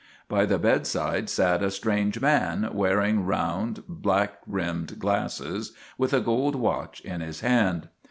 By the bed side sat a strange man, wearing round, black rimmed glasses, with a gold watch in his hand.